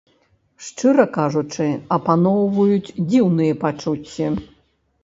Шчыра кажучы, апаноўваюць дзіўныя пачуцці.